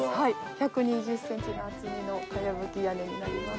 １２０センチの厚みの茅葺屋根になります。